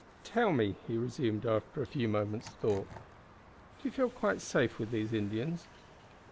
"Tell me," he resumed, after a few moments' thought, "do you feel quite safe with these Indians?"